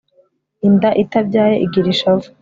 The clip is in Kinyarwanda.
inda itabyaye igira ishavu